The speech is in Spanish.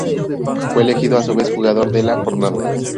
Fue elegido a su vez jugador de la jornada.